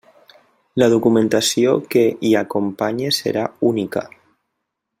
La documentació que hi acompanye serà única.